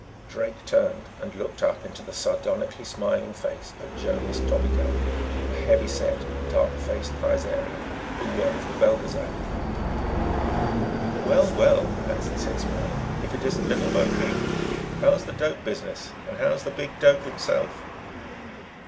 Drake turned and looked up into the sardonically smiling face of Jomis Dobigel, the heavy set, dark faced Thizarian who worked with Belgezad. "Well, well," Anson said, smiling, "if it isn't Little Bo Peep. How is the dope business? And how is the Big Dope Himself?"